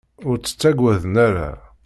Ur tt-ttagaden ara.